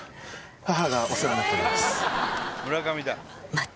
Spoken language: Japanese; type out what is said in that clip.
母がお世話になっております。